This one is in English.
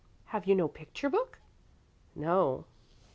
"Have you no picture book" "No."